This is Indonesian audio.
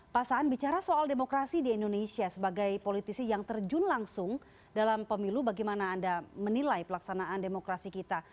pak saan bicara soal demokrasi di indonesia sebagai politisi yang terjun langsung dalam pemilu bagaimana anda menilai pelaksanaan demokrasi kita